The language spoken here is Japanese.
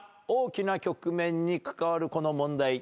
大きな局面に関わるこの問題。